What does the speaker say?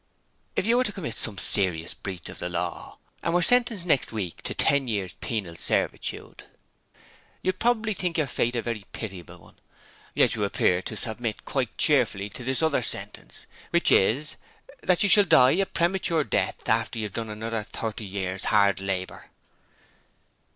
'If you were to commit some serious breach of the law, and were sentenced next week to ten years' penal servitude, you'd probably think your fate a very pitiable one: yet you appear to submit quite cheerfully to this other sentence, which is that you shall die a premature death after you have done another thirty years' hard labour.'